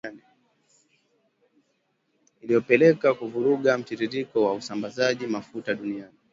iliyopelekea kuvuruga mtiririko wa usambazaji mafuta duniani